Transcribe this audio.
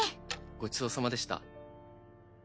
ごちそうさまでした。